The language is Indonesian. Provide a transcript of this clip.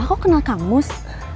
kok kenal kang mus